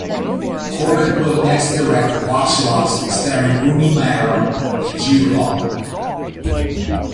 Corbet will next direct "Vox Lux" starring Rooney Mara and Jude Law.